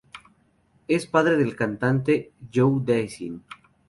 Es padre del cantante Joe Dassin.